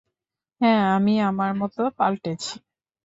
হ্যাঁ, আমি মত পাল্টেছি।